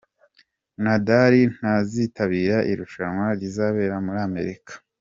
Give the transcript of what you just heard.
Nadali ntazitabira irushanywa rizabera muri Amerika